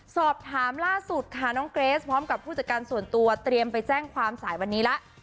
สอบถามล่าสุดค่ะน้องเกรสพร้อมกับผู้จัดการส่วนตัวเตรียมไปแจ้งความสายวันนี้แล้ว